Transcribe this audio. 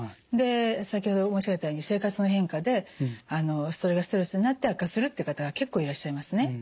で先ほど申し上げたように生活の変化でそれがストレスになって悪化するという方が結構いらっしゃいますね。